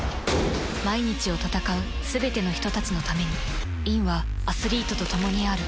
毎日を戦うすべての人たちのためにｉｎはアスリートと共にある